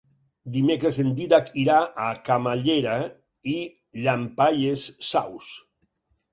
Dimecres en Dídac irà a Camallera i Llampaies Saus.